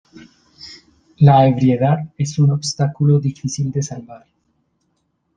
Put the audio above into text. La ebriedad es un obstáculo difícil de salvar.